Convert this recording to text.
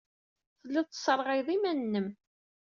Telliḍ tesserɣayeḍ iman-nnem.